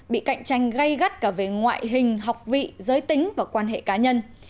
bị cạnh tranh gây gắt cả về ngoại hình học vị giới tính và quan hệ cá nhân